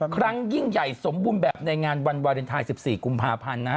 ครั้งยิ่งใหญ่สมบูรณ์แบบในงานวันวาเลนไทย๑๔กุมภาพันธ์นะฮะ